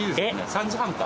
３時半か。